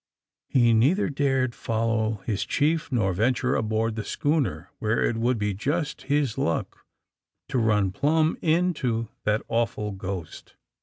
He neither dared follow his chief nor venture aboard the schooner, where it would be just his luck to run plump into that awful ghost.